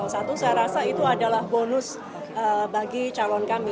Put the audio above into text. satu saya rasa itu adalah bonus bagi calon kami